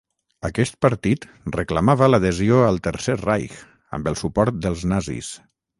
Aquest partit reclamava l'adhesió al Tercer Reich, amb el suport dels nazis.